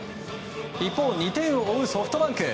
一方、２点を追うソフトバンク。